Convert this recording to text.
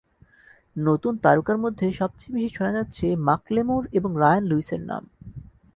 নতুন তারকার মধ্যে সবচেয়ে বেশি শোনা যাচ্ছে মাকলেমোর এবং রায়ান লুইসের নাম।